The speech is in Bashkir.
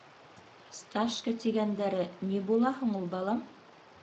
— Сташка тигәндәре ни була һуң ул, балам?